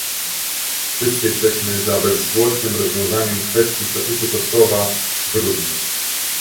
Wszyscy jesteśmy za bezzwłocznym rozwiązaniem kwestii statusu Kosowa w grudniu